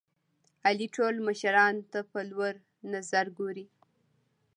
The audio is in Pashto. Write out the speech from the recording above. علي ټول مشرانو ته په لوړ نظر ګوري.